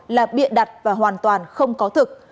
là bịa đặt và hoàn toàn không có thực